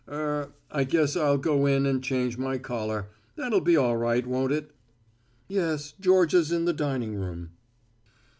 Er I guess I'll go in and change my collar. That'll be all right, won't it?" "Yes, Georgia's in the dining room."